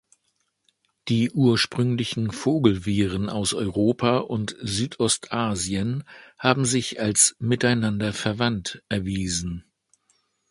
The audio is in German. Die ursprünglichen Vogel-Viren aus Europa und Südostasien haben sich als miteinander verwandt erwiesen.